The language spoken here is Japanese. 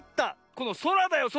このそらだよそら！